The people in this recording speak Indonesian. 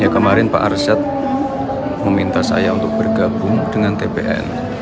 kemarin pak arsyad meminta saya untuk bergabung dengan tpn